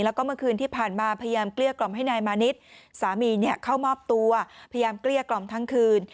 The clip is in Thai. แล้วก็เมื่อคืนที่ผ่านมาพยายามเกลี้ยกล่อมให้นายมานิดสามีเข้ามอบตัวพยายามเกลี้ยกล่อมทั้งคืน